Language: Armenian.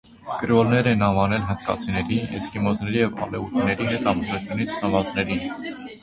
Կրեոլներ են անվանել հնդկացիների, էսկիմոսների և ալեուտների հետ ամուսնությունից ծնվածներին։